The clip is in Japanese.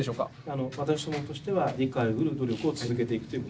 あの私どもとしては理解をうる努力を続けていくという。